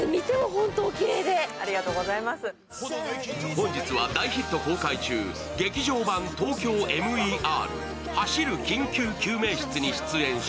本日は大ヒット公開中、「劇場版ＴＯＫＹＯＭＥＲ走る緊急救命室」に出演し